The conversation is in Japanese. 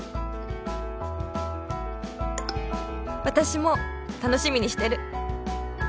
「私も楽しみにしてる」